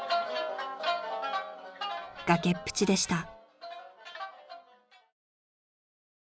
［崖っぷちでした］